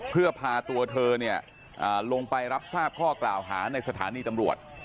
เพื่อพาตัวเธอลงไปรับทราบข้อกล่าวหาในสถานีตำรวจ